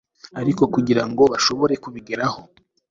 Ariko kugira ngo bashobore kubigeraho